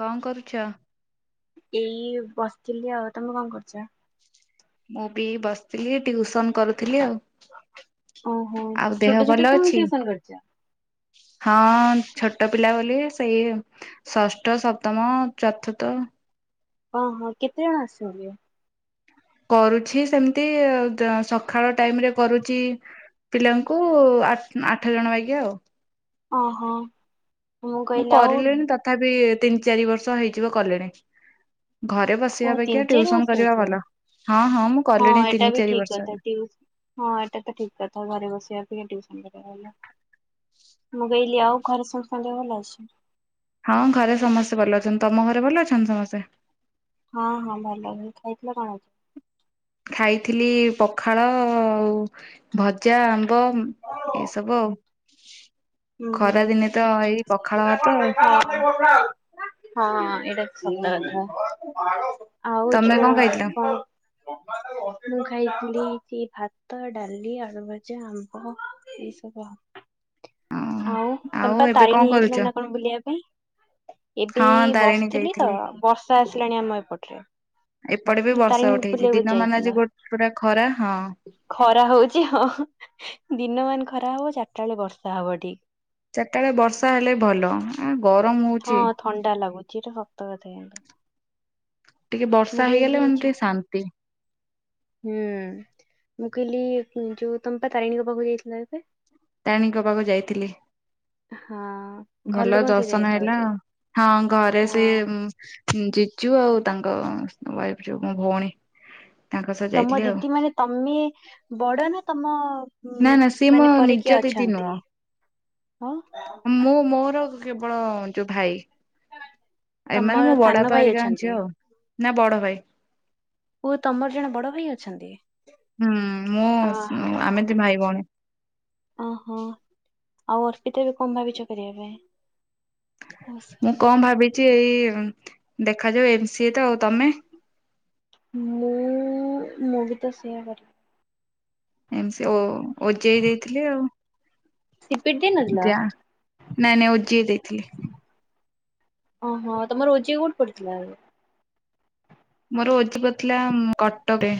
କଣ କରୁଛ? ଏଇ ବସିଥିଲି ଆଉ ତମେ କଣ କରୁଛ? ମୁଁ ବି ବସିଥିଲି ଟିଉସନ କରୁଥିଲି ଆଉ, ଓହୋ ଆଉ ଦେହ ଛୋଟ ଭଲ ଛୋଟ ଛୁଆକୁ ଅଛି? ଟ୍ୟୁସନ୍ କରୁଛ? ହଁ ଛୋଟ ପିଲା ବୋଲି ସେଇ ଷଷ୍ଠ, ସପ୍ତମ, ଚତୁର୍ଥ ଓହୋ କେତେ ଜଣ ଆସୁଛନ୍ତି? କରୁଛି ସେମିତି ସକାଳ ଟାଇମ ରେ କରୁଛି ପିଲାଙ୍କୁ ଆ ଆଠ ଜଣ ବାଗିଆ ଆଉ, ଅ ହଁ। ମୁଁ କରିଲିଣି ତଥାପି ତିନି ଚାରି ବର୍ଷ ହେଇଯିବ କଲିଣି। ଘରେ ଓ ବସିବା ଅପେକ୍ଷା ତିନି ଚାରି ଟିଉସନ ବର୍ଷ କରିବା ହେଇଯିବ। ଭଲ। ହଁ ହଁ ମୁଁ କଲିଣି ଏଇଟା ତିନି ବି ଚାରି ଠିକ ବର୍ଷ କଥା ହେଲା। ଟିଉ ହଁ ଏଇଟା ତ ଠିକ୍ କଥା ଘରେ ବସିବା ଅପେକ୍ଷା ଟିଉସନ୍ କରିବାଟା ଭଲ। ମୁଁ କହିଲି ଆଉ ଘରେ ସମସ୍ତଙ୍କ ଦେହ ଭଲ ଅଛି? ହଁ ଘରେ ସମସ୍ତେ ଭଲ ଅଛନ୍ତି ତମ ଘରେ ଭଲ ଅଛନ୍ତି ସମସ୍ତେ? ହଁ ହଁ ଭଲ ଖାଇଥିଲ କଣ ଆଜି? ଖାଇଥିଲି ପଖାଳ ଆଉ ଭଜା, ଆମ୍ବ ଏଇସବୁ ଆଉ, ହୁଁ ଖରା ହୁଁ। ଦିନେ ତ ଏଇ ପଖାଳ [unintelligible] ଭାତ ଆଉ ହଁ ଏଇଟା ତ ସତ କଥା ଆଉ ତମେ ଯୋଉ କଣ ଖାଇଥିଲ? କଣ ମୁଁ ଖାଇଥିଲି ଭାତ, ଡାଲି, ଆଳୁଭଜା, ଆମ୍ବ ଏଇ ସବୁ ଆଉ, ଆଉ ଆଉ ତମେ ପା ଏବେ କଣ ତାରାଣୀ କରୁଛ? ଯାଇଥିଲ କଣ ନା ବୁଲିବା ପାଇଁ? ଏବେ ହଁ ତାରିଣୀ ବସିଥିଲି ତ ଯାଇଥିଲି ବର୍ଷା ଆସିଲାଣି ଆମ ଏପଟରେ, ଏପଟେ ବି ବସିଥିଲି ବର୍ଷା ତାରିଣୀ ଉଠେଇଛି ବୁଲିବାକୁ ଦିନ ମାନ ଆଜି ଯାଇଥିଲ। ଗୋଟେ ପୁରା ଖରା ହଁ। ଖରା ହଉଛି ହଁ ଦିନ ମାନେ ଖରା ହବ ଚାରିଟା ବେଳେ ବର୍ଷା ହବ ଏଠି ଚାରିଟା ବେଳେ ବର୍ଷା ହେଲେ ଭଲ ଉଁ ଗରମ ହଉଚି। ହଁ ଥଣ୍ଡା ଲାଗୁଛି ଏଇଟା ସତ କଥା କିନ୍ତୁ ହଁ ଟିକେ ବର୍ଷା ହେଇଗଲେ ମାନେ ଟିକେ ଶାନ୍ତି। ହୁଁ ମୁଁ କହିଲି ଯୋଉ ତମେ ବା ତାରିଣୀଙ୍କ ପାଖକୁ ଯାଇଥିଲ ଏବେ? ତାରେଣୀ ଙ୍କ ପାଖକୁ ଯାଇଥିଲି। ହଁ ଘର ଭଲ ଲୋକଙ୍କ ସହିତ ଦର୍ଶନ ଯାଇଥିଲ ହେଲା। ବୋଧେ ହଁ ଘରେ ସିଏ ହଁ ଉ ଜିଜୁ ଆଉ ତାଙ୍କ ୱାଇଫ ଯଉ ମୋ ଭଉଣୀ ତାଙ୍କ ସହ ତମ ଯାଇଥିଲି ଆଉ ଦିଦି ମାନେ ତମେ ବଡ ନା ତମ ନା ଉଁ, ନା ସିଏ ମୋ ମାନେ ପରେ କିଏ ନିଜ ଦିଦି ଅଛନ୍ତି ନୁହଁ ହଁ ମୁଁ ମୋର କେବଳ ଯୋଉ ଭାଇ ଏ ମାନେ ତମର ମୋ ବଡ଼ ସାନ ଭାଇ ବାପାଙ୍କର ହେରୀଙ୍କାର ଅଛନ୍ତି ଝିଅ ନା ବଡ ଭାଇ। ଓହୋ ତମର ଜଣେ ବଡଭାଇ ଅଛନ୍ତି? ହୁଁ ଅ ମୁଁ ଆମେ ଦି ହ। ଭାଇ ଭଉଣୀ ଅ ହ। ଆଉ ଅର୍ପିତା ଏବେ କଣ ଭାବିଛ କରିବା ପାଇଁ? ଓ ମୁଁ ସରି। କଣ ଭାବିଛି ଏଇ ଦେଖାଯାଉ ଏମ-ସି-ଏ ତ ଆଉ ତମେ? ମୁଁ ମୁଁ ବି ତ ସେୟା କରିବି। ଏମ-ସି-ଏ ଓ ଓଜେଇ ଦେଇଥିଲି ଆଉ ସିପିଟ ଦେଇ ନଥିଲା ଯା ନାଇଁ ନାଇଁ ଓଜେଇ ଦେଇଥିଲି। ଓହୋ ତମର ଓଜେଇଇ କୋଉଠି ପଡିଥିଲା ଆ ମୋର ଓଜେଇଇ ଥିଲା କଟକ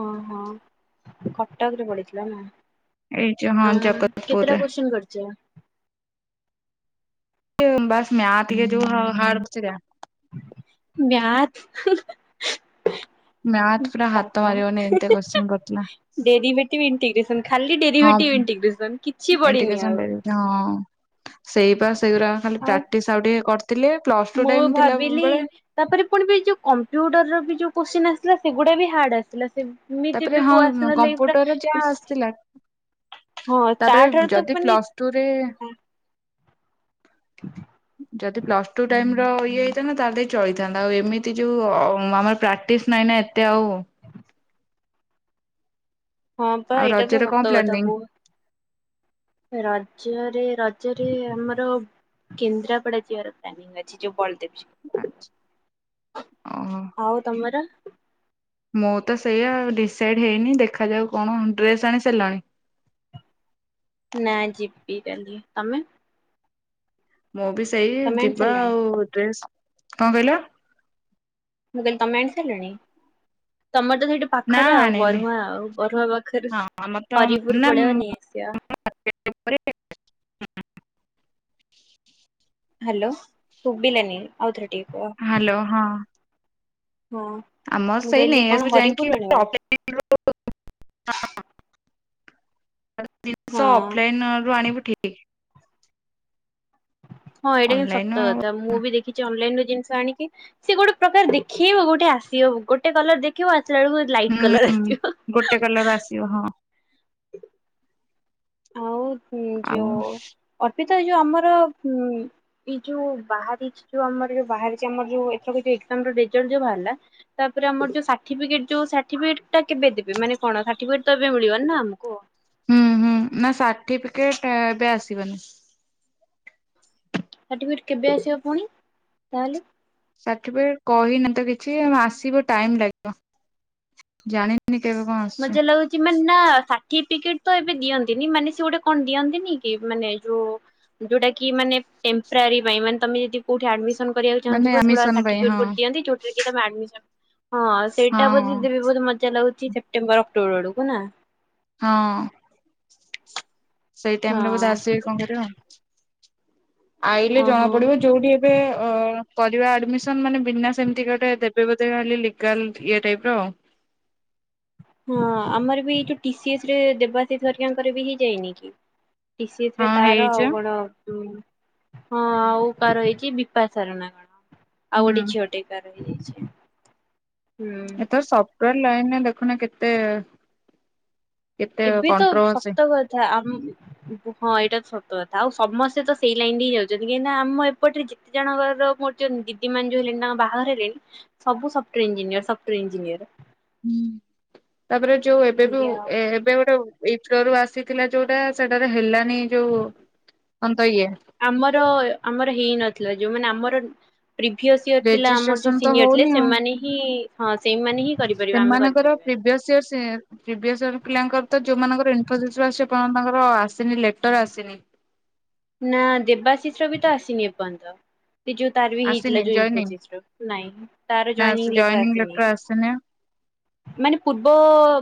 ଓ ହଁ କଟକ ରେ ପଡିଥିଲା ନା ଏଇ ଯୋଉ ହଁ ଅଁ ଜଗତପୁରରେ କେତେଟା କୋଶ୍ଚିନ୍ କରିଚ ବସ୍ ମ ଆତିିକ ଯଉ ହ ହାଡ଼ଚ [inaudible] ମ୍ୟାଥ ମ୍ୟାଥ ପୁରା ବା ହାତ ବା ମାରିବନି ଏମିତିଆ କୋଶ୍ଚିନ୍ ପଡିଥିଲା। ଡେରି ଭେଟି ବି ଇଣ୍ଟିଗ୍ରେସନ ଖାଲି ଡେରି ହଁ ଭେଟି ଇଣ୍ଟିଗ୍ରେସନ୍ କିଛି ପଡିନି ଆଉ ସେଇ ବା ସେଇଗୁା ଖାଲି ପ୍ରାକ୍ଟିସ ଆଉ ଟିକେ କରିଥିଲେ ପ୍ଲସ ଟୁ ମୁଁ ଟାଇ ଥିଲା ଭାବିଲି ବଳେ ତାପରେ ପୁଣି ବି ଯୋଉ କମ୍ପ୍ୟୁଟର ବି ଯୋଉ କୋଶ୍ଚିନ ଆସିଲା ସେଗୁଡା ବି ହାର୍ଡ ଆସିଲା ସେ ତାପରେ ଏମିତିବି ହଁ କୁ ଆସନ ଲାଗି କମ୍ପ୍ୟୁଟର ଯାହା ପୁରରା ଆସିଥିଲା ହଁ ତାପରେ ତାଠାରୁ ଯଦି ପ୍ଲସ ଟୁ ରେ ହ [inaudible] ଯଦି ପ୍ଲସ ଟୁ ଟାଇମ ଇଏ ହେଇଥାନ୍ ତାର ଦେଇ ଚଳିଥାନ୍ତା ଆଉ ଏମିତି ଯୋଉ ଆମର ପ୍ରାକ୍ଟିସ ନାଇଁ ନା ଏତେ ଆଉ ହଁ ପା ଆଉ ଏଇଟା ତ ରଜରେ କଣ ଶବ୍ଦ କଥା ପ୍ଲାନିଂ? ବୁହ ରଜରେ ରଜରେ ଆମର କେନ୍ଦ୍ରାପଡାର ଯିବାର ପ୍ଲାନିଂ ଅଛି ଯଉ ବ ଆଛା ଓହୋ ଆଉ ତମର ମୁଁ ତ ସେଇଆ ଡିସାଇଡ ହେଇନି ଦେଖାଯାଉ କଣ ଡ୍ରେସ ଆଣି ସାରିଲାଣି ନା ଯିବି କାଲି ତମେ ମୁଁ ବି ସେଇ ତମେ ଆଣି ଯିବା ସାରିଲାଣି ଆଉ ଡ୍ରେସ୍ କଣ କହିଲ ମୁଁ କହିଲ ତମେ ଆଣି ସାରିଲଣି ତମର ତ ସେଇଠି ନା ପାଖରେ ଆଉ ଆଣିନି ବରୁଆ ଆଉ ବରୁଆ ପାଖରେ ହଁ ଆମର ତ ହରିପୁର ନା ପଳେଇବା ନେଇ ଆସିବା ହ୍ୟାଲୋ ସୁବିଲନି ହଉ ର ଟ କ ହ୍ୟାଲୋ ହଁ ହଁ ଆମର ମୁଁ ସେଇ କହିଲି ନାଇଁ କଣ ଏବୁ ଯାଇକି [inaudible] ହରିପୁରରୁ ଆଣିବା? ଜିନିଷ ହଁ ଅଫଲାଇନ ରୁ ଆଣିବୁ ଠିକ ହଁ ଏଇଟା କି ଅନଲାଇନ ସତ ହୁଁ କଥା ମୁଁ ବି ଦେଖିଛି ଅନଲାଇନ ରୁ ଜିନିଷ ଆଣିକି ସେ ଗୋଟେ ପ୍ରକାର ଦେଖେଇବ ଗୋଟେ ଆସିବବ ଗୋଟେ କଲର ଦେଖିବ ଆସିଲ ବଳକୁ ଲାଇଟ କଲର ଆସିବ ଗୋଟେ କଲର ହଁ ହ [inaudible] ଆଉ ଆଉ ଯୋଉ ଅର୍ପିତା ଯୋଉ ଆମର ଉ ଏଇ ଯୋଉ ବାହାରିଛି ଯୋଉ ଆମର ଯୋଉ ବାହାରିଛି ଆମର ଯୋଉ ଏଥର ଯଉାମ ରେଲ୍ଟ ଯୋଉ ବାହାରିଲା ତାପରେ ଆମର ଯୋଉ ସାର୍ଟିଫଟ ଯୋ ସାର୍ଟିଫିକେଟ ଟା କେବେ ଦେବେ ମାନେ କଣ ସାର୍ଟିଟ ତ ଏବେ ମିଳିବନ ନା ଆମକୁ ହୁଁ ହୁଁ ନା ସାର୍ଟିଫିକେଟ ଏବେ ଆସିବନି ସାର୍ଟିଫିକେଟ କେବେ ଆସିବ ପୁଣି ତାହେଲେ ସାର୍ଟିଫିକେଟ କହିନ ତ କିଛି ଆ ଆସିବ ଟାଇମ ଲାଗିବ ଜାଣିନିନି କେବେ କଣ ଆସୁଛ ସେମାନେ ନା ସାର୍ଟିଫିକେଟ ତ ଏବେ ଦିଅନ୍ତିନି ମାନେ ସେ ଗୋଟେ କଣ ଦିଅନ୍ତିନି କି ମାନେ ଯୋଉ ଯୋଉଟା କି ମାନେ ଟେମ୍ପରାରୀ ପାଇଁ ମାନେ ତମେ ଯଦି କୋଉଠି ଆଡମିନ କରିବାକୁ ଚାହୁଁାଉ ମାନେ ଆଡମିସନ ପାଇଁ ହଁ ହଁ ସେଇଟା ହଁ ବଧେି ବହୁତ ମଜା ଲାଗୁଛି ସେ୍ଟେମ୍ବର ଅକ୍ଟୋବର ବେଳକୁ ନା ହଁ ସେଇ ଟାଇମରେ ବୋଧେ ହଁ ଆସିବେ କଣ କରିବା ଆଉ ଆଇଲେ ଓହୋ ଜଣା ପଡିବ ଯୋଉଠି ଏ ଅ କରିବା ଆଡମିସନ ମାନେ ବିନା ସେମିତି ଗୋଟେ ଦେବେ ବୋଧେ ଖାଲି ଲିଗାଲ ଇଏ ଟାଇପର। ହଁ ଆମର ବି ଏଇଠୁ ଟି ସି ଏସ ରେ ଦେବାଶିଶ୍ ହେରିକାଙ୍କର ବି ହେଇ ଯାଇନି କି। ଟି ସି ଏସ ରେ ହଁ ତାର ଆଉ ହେଇଯା କଣ ହଁ ଆଉ କାହାର ହେଇକି ବି ବା ସାରୁନା ଆଉ ହୁଁ ଗୋଟେ ଝିଅଟେ କାହାର ହେଇଯାଇଛି। ହୁଁ। ଏଥର ସଫ୍ଟଓୟାର ଲାଇନରେ ଦେଖୁନ କେତେ କେତେ ଏବେ ତ କଣ୍ଟ୍ରୋଭର୍ସି। ଶତ କଥା ଆମ ଉ ହଁ ଏଇଟା ତ ସତ କଥା ଆଉ ସମସ୍ତେ ତ ସେଇ ଲାଇନ ରେ ହିଁ ଯାଉଛନ୍ତି କାହିଁକି ନା ଆମ ଏପଟରେ ଯେ କେତେ ଜଣଙ୍କର ମୋର ଯୋଉ ଦିଦି ମାନେ ଯୋଉ ହେଲେଣି ତାଙ୍କ ବାହାଘର ହେଲେଣି ସବୁ software engineer software engineer. ହୁଁ ତାପରେ ଯୋଉ ଏବେ ବି ଆଜ୍ଞା। ଏ ଏବେ ଗୋଟେ ଇସ୍ରୋ ରୁ ଆସିଥିଲା ଯୋଉଟା ସେଟାରେ ହେଲାନି ଯୋଉ କଣ ତ ଇଏ ଆମର ଆମର ହେଇନଥିଲା ଯୋଉମାନେ ଆମର ପ୍ରିଭିଅସ ଇୟର ପିଲା ଆମର ରେଜିଷ୍ଟ୍ରେସନ ଯୋଉ ତ ସିନିୟର ଥିଲେ ହଉନି ଆଉ। ସେମାନେ ହିଁ ହଁ ସେଇମାନେ ହିଁ କରିପାରିବା ଆମେ ମାନଙ୍କର କରିପାରିବାନି। ପ୍ରିଭିଅରସ ଇୟରସ ସେ ପ୍ରିଭିଅସ୍ ପିଲାଙ୍କର ତ ଯୋଉମାନଙ୍କର ଇନଫୋଷିସରୁ ଆସିଚି ଏପର୍ଯ୍ୟନ୍ତ ତାଙ୍କର ଆସିନି ଲେଟର ଆସିନି। ନା ଦେବାଶିସର୍ ବି ତ ଆସିନି ଏ ପର୍ଯ୍ୟନ୍ତ। ଏ ଯୋଉ ତାର ବି ଆସିନି ହେଇଥିଲା ଯୋଉ ଜଏନିଂ ଇନ୍ଫୋସିସର ନାଇଁ ତାର ଜଏନିଂ ଲେଟର ଆସିନି। ମାନେ ପୂର୍ବ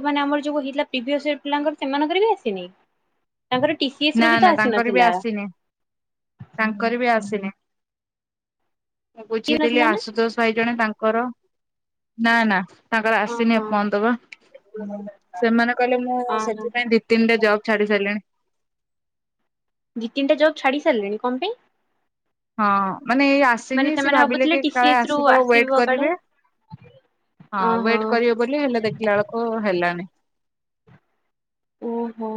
ମାନେ ଆମର ଯୋଉ ହେଇଥିଲା ପ୍ରିଭିଅସ ପିଲାଙ୍କର ସେମାନଙ୍କର ବି ଆସିନି? ତାଙ୍କର ଟି ସିି ଏସ ନା ରୁ ବି ତ ନା ତାଙ୍କର ବି ଆସିନଥିଲା। ଆସିନି। ତାଙ୍କର ବି ଆସିନି। ମୁଁ କି ବୁଝିଥିଲି ନଥିଲା ନା ଆଶୁତୋଷ ଭାଇ ଜଣେ ତାଙ୍କର ନା ନା ତାଙ୍କର ଆସିନି ଓହୋ ଏପନ୍ତ ବା ସେମାନେ କହିଲେ ମୁଁ ଓହୋ। ସେଥିପାଇଁ ଦି ତିନିଟା ଜବ ଛାଡ଼ି ସାରିଲିଣି। ଦି ତିନିତା ଜବ ଛାଡ଼ି ସାରିଲେଣି କଣ ପାଇଁ? ହଁ ମାନେ ଏଇ ମାନେ ଆସିକି ସେ ସେମାନେ ଭାବିଲେ ଭାବୁଥିଲେ କି କାଳେ ଟିସିଏସ୍ ରୁ ଆସିବ ୱେଟ କାଳେ। କରିବେ ହଁ ଓହୋ ୱେଟ କରିବେ ବୋଲି ହେଲେ ଦେଖିଲା ବେଳକୁ ହେଲାନି। ଓହୋ।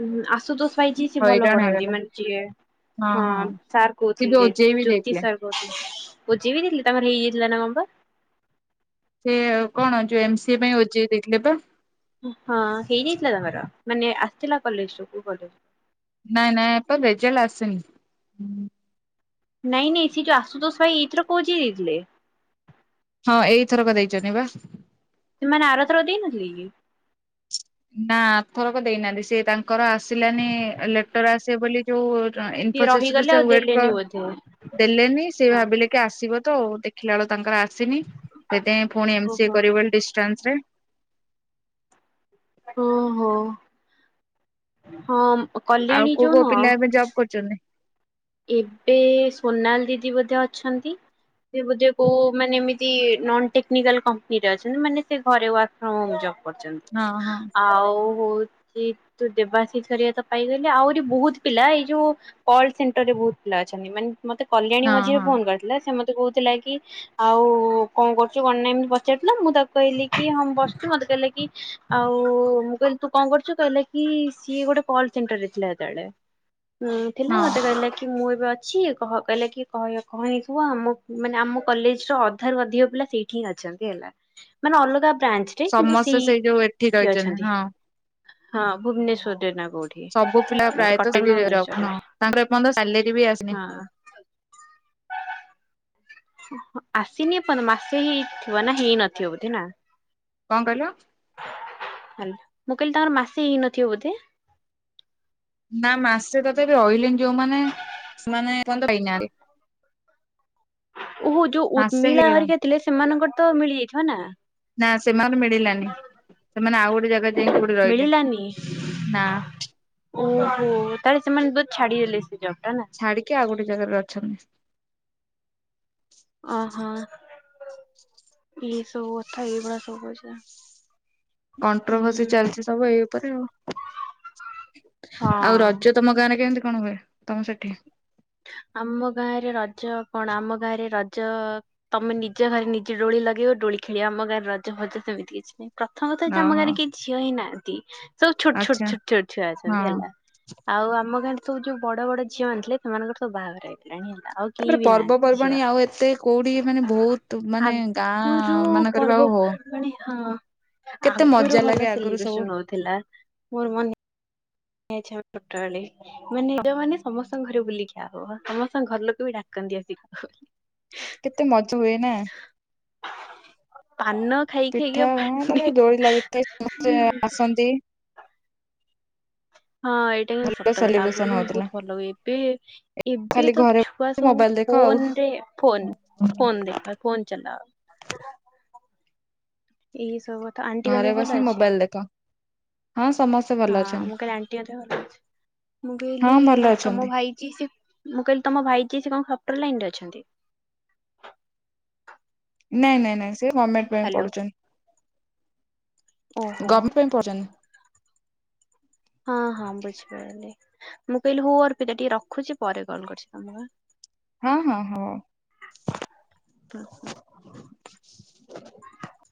ଉଁ ହୁଁ ଆ ଆସୁତୋଷ ଭାଇ ଯିଏ ସିଏ ଭଲ ହଇରାଣ ପଢାନ୍ତି। ହେଇଗଲେ ମାନେ ଯିଏ ହଁ ସାର୍ ସେ ବି କହୁଥିଲେ ଓଜେଇ ବି ଜ୍ୟୋତି ଦେଇଥିଲେ ସାର୍ ହୁ ବୁଝୀ ବିି ଥିଲି ତାଙ୍କର ହେଇଯାଇଥିଲା ନା କଣ ପା? ସେ କଣ ଯୋଉ ଏମ ସି ଏ ପାଇଁ ଓ ଜି ଏ ଦେଇଥିଲେ ତ? ହଁ ହେଇଯାଇଥିଲା ତାଙ୍କର ମାନେ ଆସିଥିଲା କଲେଜରୁ। କୋଉ କଲେଜ? ନାଇଁ ନାଇଁ ଏତ ରେଜଲ୍ଟ ଆସିନି। ନାଇଁ ନାଇଁ ସେ ଯୋଉ ଆସୁତୋସ ଭାଇ ଏଇଥରକ ଓ ଯେ ଇ ଦେଇଥିଲେ। ହଁ ଏଇଥରକ ଦେଇଛନ୍ତି ବା। ସେ ମାନେ ଆରଥରକ ଦେଇ ନଥିଲେକି? ନା ଆରଥରକ ଦେଇନାହାନ୍ତି ସେ ତାଙ୍କର ଆସିଲାନି ଲେଟର ଆସିବ ବୋଲି ଯୋଉ ସିଏ ଇନଫୋସିସ ରୁ ରହିଗଲେ ସେ ଆଉ ୱେଟ୍ କ ଦେଲେନି ବୋଧେ। ଦେଲେନି ସେ ହଁ। ଭାବିଲେ ଟିକେ ଆସିବ ତ ଦେଖିଲାବେଳୁ ତାଙ୍କର ଆସିନି ସେଥିପାଇଁ ପୁଣି ଏମ ସି ଏ ଓହୋ କରିବେ ବୋଲି ଡିଷ୍ଟାନ୍ସ ରେ। ଓହୋ ହଁ ଆଉ କଲ୍ୟାଣୀ କୋଉ ଯୋଉ କୋଉ ନୁହ। ପିଲା ଏବେ ଜବ୍ କରୁଛନ୍ତି। ଏବେ ସୋନାଲି ଦିଦି ବୋଧେ ଅଛନ୍ତି? ସେ ବୋଧେ କୋଉ ମାନେ ଏମତି ନନ୍ ଟେକ୍ନିକାଲ କମ୍ପାନୀରେ ଅଛନ୍ତି ମାନେ ସେ ଘରେ ୱାର୍କ ଫ୍ରମ ହୋମ୍ ଜବ୍। କରିଛନ୍ତି ହଁ ହଁ ଆଉ ହୋଉ ସେ ତୁ ଦେବାଶିସ୍ ହେରିକା ତ ପାଇଗଲେ ଆହୁରି ବହୁତ ପିଲା ଏଇ ଯୋଉ କଲ୍ ସେଣ୍ଟ ଟରେ ବହୁତ ପିଲା ଅଛନ୍ତି ମାନେ ମତେ କଲ୍ୟାଣୀ ହଁ ମଝିରେ ହଁ ଫୋନ କରିଥିଲା ସେ ମତେ କହୁଥିଲା କି ଆଉ କଣ କରୁଛୁ କଣ ନାହିଁ ଏମତି ପଚାରୁଥିଲା ମୁଁ ତାକୁ କହିଲି କି ହଁ ମୁ ବସିଛି ମତେ କହିଲେ କି ଆଉ ମୁଁ କହିଲି ତୁ କଣ କରୁଛୁ କହିଲା କି ସିଏ ଗୋଟେ କଲ ସେଣ୍ଟର ରେ ଥିଲା ହେତେବେଳେ। ହୁଁ ଥିଲା ହଁ ମୋତେ କହିଲା ମୁଁ ଏବେ ଅଛି କହ କହିଲା କି କହ କହିନିଥିବ ଆମ ମାନେ ଆମ କଲେଜର ଅଧାରୁ ଅଧିକ ପିଲା ସେଇଠି। କି ଅଛନ୍ତି ହେଲା ମାନେ ଅଲଗା ବ୍ରାଞ୍ଚ ରେ କିନ୍ତୁ ସମସ୍ତେ ଯୋଉ ଏଠି ସେଇ ରହିଛନ୍ତି ଅଛନ୍ତି ହଁ। ହଁ ଭୁବନେଶ୍ୱର ରେ ନବ ସବୁ ପିଲା ପ୍ରାୟତଃ ସେଇଠି ଯବ ନ ତାଙ୍କର ଏପର୍ଯ୍ୟନ୍ତ ସାଲେରୀ ବି ଆସିନି ହଁ ଆସିନି ଏପର୍ଯ୍ୟନ୍ତ ମାସେ ହେଇଥିବ ନା ହେଇନଥିବ ବୋଧେ ନା କଣ କହିଲ? ହାଲ ମୁଁ କହିଲି ତାଙ୍କର ମାସେ ହେଇନଥିବ ବୋଧେ ନା ମାସେ ତଥାପି ଅଏଲିଙ୍ଗ ଯୋଉମାନେ ସେମାନେ ଏ ପର୍ଯ୍ୟନ୍ତ ପାଇନାହାନ୍ତି [inaudible] ଓହୋ ଯୋଉ ମାସେ ଉର୍ମିଳା ହେଇଗଲାଣି ହରିକା ଥିଲେ ସେମାନଙ୍କର ତ ମିଳିଯାଇଥିବ ନା ନା ସେମାନେ ମିଳିଲାନି ସେମାନେ ଆଉ ଗୋଟେ ଜାଗା ଯାଇକି କୋଉଠି ରହିଲେ ମିଳିଲାନି ନା ଓହୋ ତାହେଲେ ସେମାନେ ବଟ ଛାଡିଦେଲେ ସେ ଜବଟା ନା ଛାଡିକି ଆଉ ଗୋଟେ ଜାଗାରେ ଅଛନ୍ତି ଓହୋ ଏଇ ସବୁ କଥା ଏଇ ଭଳିଆ ସବୁ କରିଚ। କଣ୍ଟ୍ରୋଭର୍ସି ଚାଲିଛି ସବୁ ଏଇ ଉପରେ ଆଉ ଆଉ ହଁ। ରଜ ତମ ଗାଁରେ କେମିତି କଣ ହୁଏ ତମ ସେଠି ଆମ ଗାଁରେ ରଜ କଣ ଆମ ଗାଁରେ ରଜ ତମେ ନିଜ ଘରେ ନିଜେ ଡୋଳି ଲଗେଇ ଡୋଳି ଖେଳିବ ଆମ ଗାରେ ରଜ ଭଜ ସେମିତି କିଛି ନାହିଁ। ପ୍ରଥମ କଥା ଯେ ଆମ ଓହୋ ଗାଁରେ କେ ଝିଅ ହିଁ ନାହାନ୍ତି ସବୁ ଛୋଟ ଛୋଟ ଆଚ୍ଛା ଛୋଟ ଛୋଟ ଛୁଆ ହଁ। ଅଛନ୍ତି ହେଲା ଆଉ ଆମ ଗାଁରେ ସବୁ ଯୋଉ ବଡ ବଡ ଝିଅ ମାନେ ଥିଲେ ସେମାନଙ୍କର ସବୁ ବାହାଘର ହେଇଥିଲାଣି ହେଲା ଆଉ କେହି ତାପରେ ବି ନାହାନ୍ତି ପର୍ବପର୍ବାଣୀ ଝିଅ। ଆଉ ଏତେ କୋଉଠି ମାନେ ବହୁତ ମାନେ ଆଗରୁ ଗାଁ ମାନକରେ ବି ପର୍ବ ଆଉ ହଉନି। ହଁ ଆଗରୁ ଲାଗେ ଭଲ ଆଗରୁ ସବୁ ସେଲିବ୍ରେସନ ହଉଥିଲା ମୋର ମନେ [unintelligible] ମାନେ ଯୋଉମାନେ ସମସ୍ତଙ୍କ ଘରେ ବୁଲିକି ଆ ହବ ସମସ୍ତଙ୍କ ଘର ଲୋକ ବି ଡାକନ୍ତି ଆସିକି। କେତେ ମଜା ହୁଏ ନା। ପାନ ଖାଇ ଖାଇକା ପିଠା ହଁ ପାଣି ତାପରେ ଦୋଳି ଲାଗିଥାଏ ସମସ୍ତେ ଆସନ୍ତି। ହଁ ଏଇଟା ହିଁ ଭଲ ସତକଥା ସେଲିବ୍ରେସନ ଆଗରୁ କିନ୍ତୁ ହଉଥିଲା। ବହୁତ ଭଲ ହୁଏ ଏବେ ଏବେ ଖାଲି ତ ଘରେ ଛୁଆ ସବୁ ମୋବାଇଲ ଦେଖ ଆଉ ଫୋନରେ ଫୋନ ଫୋନ ଦେଖ ଫୋନ ଚଲାଅ। ଏଇ ସବୁ କଥା ଆଣ୍ଟିଙ୍କ ଘରେ ଦେହ ବସି ଭଲଅଛି? ମୋବାଇଲ ଦେଖ। ହଁ ସମସ୍ତେ ଭଲ ହଁ ଅଛନ୍ତି ମୁଁ କହିଲି ଆଣ୍ଟିଙ୍କ ଦେହ ଭଲଅଛି ମୁଁ ହଁ କହିଲି ଭଲ ତମ ଅଛନ୍ତି। ଭାଇ କି ସେ ମୁଁ କହିଲି ତମ ଭାଇ କିିଏ ସେ କଣ ସଫ୍ଟର ଲାଇନରେ ଅଛନ୍ତି? ନାଇଁ ନାଇଁ ନାଇଁ ସେ ଗମେଣ୍ଟ ପାଇଁ ହ୍ୟାଲୋ ପଢୁଛନ୍ତି। ଓହୋ ଗମେଣ୍ଟ ପାଇଁ ପଢୁଛନ୍ତି ହଁ ହଁ ବୁଝିପାଇଲି। ମୁଁ କହିଲି ହଉ ଅର୍ପିତା ଟିକେ ରଖୁଛି ପରେ କଲ କରିୁଛି ତମକୁ ଆଁ ହଁ ହଁ ହଉ [unintelligible] [unintelligible]